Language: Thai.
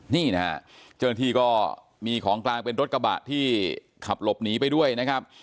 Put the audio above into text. นี่นะฮะเจ้าหน้าที่ก็มีของกลางเป็นรถกระบะที่ขับหลบหนีไปด้วยนะครับ